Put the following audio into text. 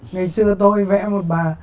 ngày xưa tôi vẽ một bà